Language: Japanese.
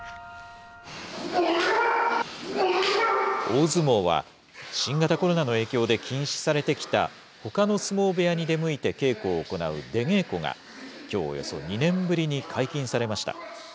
大相撲は、新型コロナの影響で禁止されてきた、ほかの相撲部屋に出向いて稽古を行う出稽古がきょう、およそ２年ぶりに解禁されました。